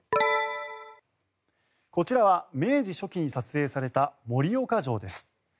こちらは明治初期に撮影された盛岡城です。